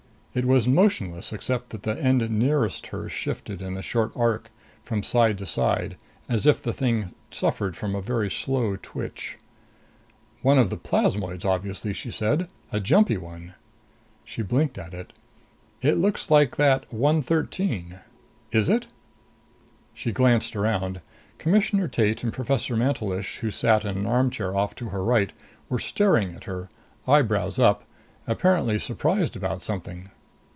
It was motionless except that the end nearest her shifted in a short arc from side to side, as if the thing suffered from a very slow twitch. "One of the plasmoids obviously," she said. "A jumpy one." She blinked at it. "Looks like that 113. Is it?" She glanced around. Commissioner Tate and Professor Mantelish, who sat in an armchair off to her right, were staring at her, eyebrows up, apparently surprised about something.